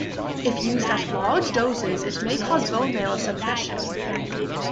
If used at large doses it may cause bone marrow suppression.